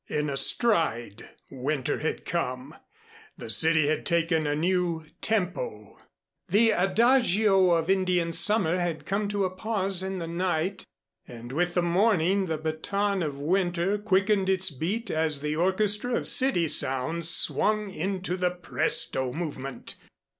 In a stride Winter had come. The city had taken a new tempo. The adagio of Indian Summer had come to a pause in the night; and with the morning, the baton of winter quickened its beat as the orchestra of city sounds swung into the presto movement.